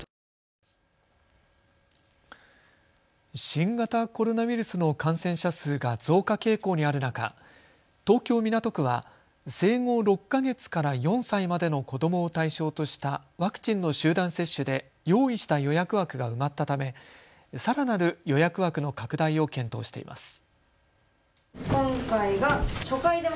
新型コロナウイルスの感染者数が増加傾向にある中、東京港区は生後６か月から４歳までの子どもを対象としたワクチンの集団接種で用意した予約枠が埋まったためさらなる予約枠の拡大を検討しています。